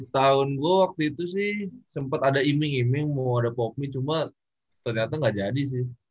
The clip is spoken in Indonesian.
di tahun gue waktu itu sih sempet ada iming iming mau ada popme cuma ternyata gak jadi sih